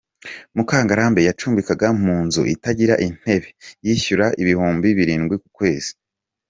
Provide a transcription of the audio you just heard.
Mukangarambe yacumbikaga mu nzu itagira intebe yishyura ibihumbi birindwi ku kwezi.